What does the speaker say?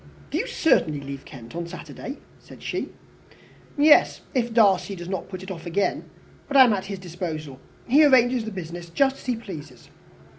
"Do you certainly leave Kent on Saturday?" said she. "Yes if Darcy does not put it off again. But I am at his disposal. He arranges the business just as he pleases."